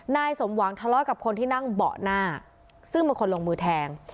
นายสมหวังทะเลาะกับคนที่นั่งเบาะหน้าซึ่งเป็นคนลงมือแทง